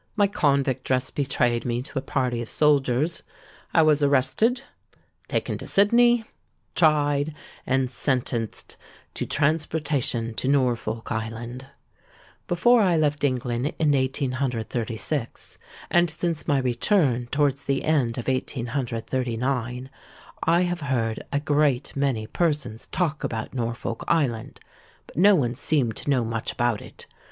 My convict dress betrayed me to a party of soldiers: I was arrested, taken to Sydney, tried, and sentenced to transportation to Norfolk Island. Before I left England in 1836, and since my return towards the end of 1839, I have heard a great many persons talk about Norfolk Island; but no one seemed to know much about it.